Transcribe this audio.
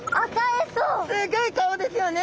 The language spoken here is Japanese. すギョい顔ですよね。